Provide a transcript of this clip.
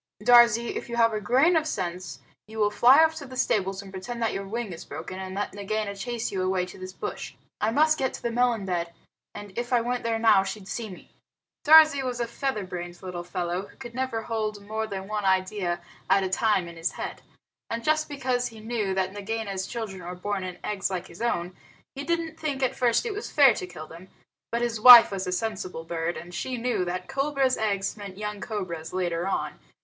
Darzee, if you have a grain of sense you will fly off to the stables and pretend that your wing is broken, and let Nagaina chase you away to this bush. I must get to the melon bed, and if I went there now she'd see me." Darzee was a feather brained little fellow who could never hold more than one idea at a time in his head. And just because he knew that Nagaina's children were born in eggs like his own, he didn't think at first that it was fair to kill them. But his wife was a sensible bird, and she knew that cobra's eggs meant young cobras later on.